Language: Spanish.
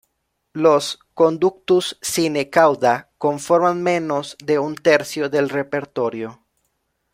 Los "Conductus sine cauda" conforman menos de un tercio del repertorio.